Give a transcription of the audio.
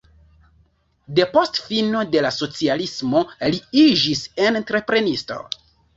Depost fino de la socialismo li iĝis entreprenisto.